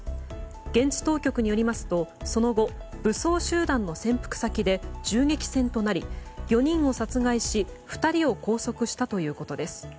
現地当局によりますとその後、武装集団の潜伏先で銃撃戦となり、４人を殺害し２人を拘束したということです。